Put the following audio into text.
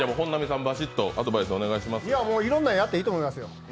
いろんなやっていいと思いますよ。